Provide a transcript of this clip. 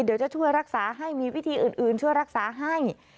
เดี๋ยวจะช่วยรักษาให้มีวิธีอื่นช่วยรักษาให้